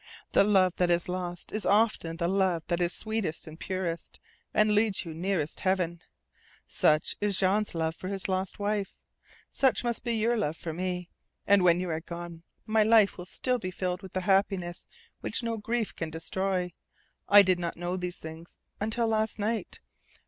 The love that is lost is often the love that is sweetest and purest, and leads you nearest Heaven. Such is Jean's love for his lost wife. Such must be your love for me. And when you are gone my life will still be filled with the happiness which no grief can destroy. I did not know these things until last night.